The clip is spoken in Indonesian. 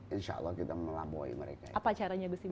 insya allah kita melabuhi mereka apa caranya gus iman